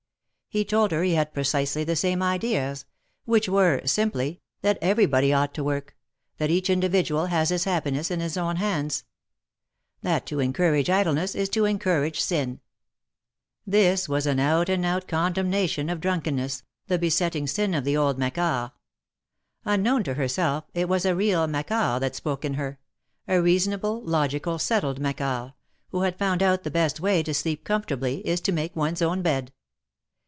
He told her he had precisely the same ideas — which were, simply, that everybody ought to work — that each individual has his happiness in his own hands — that :e si n. This was an out and out condemna tion of drunkenness, the besetting sin of the old Macquarts. Unknown to herself it was a real Macquart that spoke in her — a reasonable, logical, settled Macquart — who had 70 THE MARKETS OF PARIS, found out that the best way to sleep comfortably is to make one's own bed.